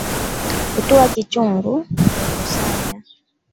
"Kutua kichungu, kukusanya,"